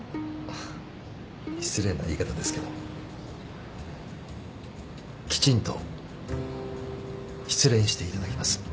失礼な言い方ですけどきちんと失恋していただきます。